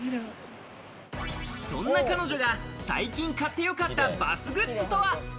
そんな彼女が最近買ってよかったバスグッズとは？